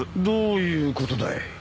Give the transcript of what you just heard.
どういうことだい？